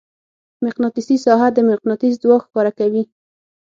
مقناطیسي ساحه د مقناطیس ځواک ښکاره کوي.